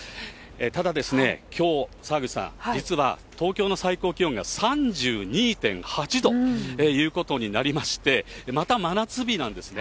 ただ、きょう、澤口さん、実は東京の最高気温が３２．８度ということになりまして、また真夏日なんですね。